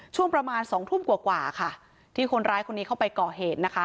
ช่วงประมาณสองทุ่มกว่ากว่าค่ะที่คนร้ายคนนี้เข้าไปก่อเหตุนะคะ